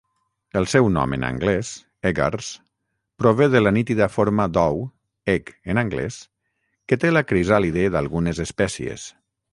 El seu nom en anglès, "eggars", prové de la nítida forma d'ou ("egg", en anglès) que té la crisàlide d'algunes espècies.